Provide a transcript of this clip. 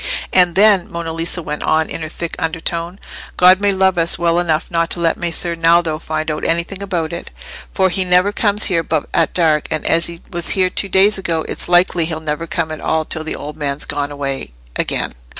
"And then," Monna Lisa went on, in her thick undertone, "God may love us well enough not to let Messer Naldo find out anything about it. For he never comes here but at dark; and as he was here two days ago, it's likely he'll never come at all till the old man's gone away again."